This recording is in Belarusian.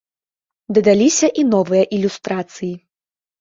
Дадаліся і новыя ілюстрацыі.